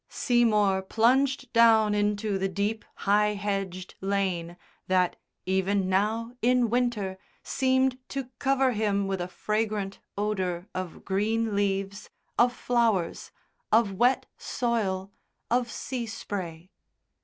Seymour plunged down into the deep, high hedged lane that even now, in winter, seemed to cover him with a fragrant odour of green leaves, of flowers, of wet soil, of sea spray.